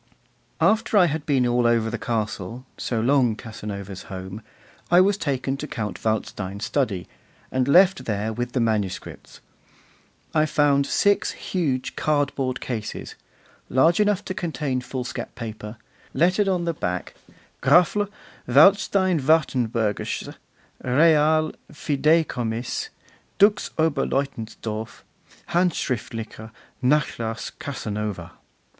After I had been all over the castle, so long Casanova's home, I was taken to Count Waldstein's study, and left there with the manuscripts. I found six huge cardboard cases, large enough to contain foolscap paper, lettered on the back: 'Grafl. Waldstein Wartenberg'sches Real Fideicommiss. Dux Oberleutensdorf: Handschriftlicher Nachlass Casanova.